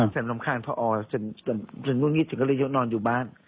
ฉันรำคาญพออร์ฉันง่วงงี้ฉันก็เลยนอนอยู่บ้าน